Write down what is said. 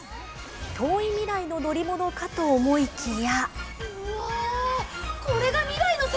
遠い未来の乗り物かと思いきや。